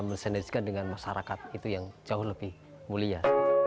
mensinergikan dengan masyarakat itu yang jauh lebih mulia